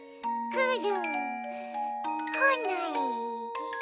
くる。